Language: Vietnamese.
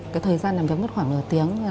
cái thời gian làm việc mất khoảng nửa tiếng